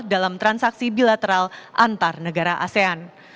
dalam transaksi bilateral antar negara asean